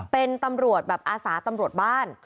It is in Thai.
เป็นตำรวจแบบอาสาตำรวจบ้าน